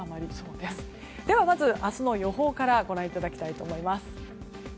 ではまず、明日の予報からご覧いただきたいと思います。